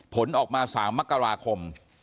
ผลออกมา๓มกราคม